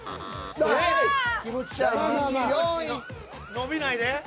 伸びないで。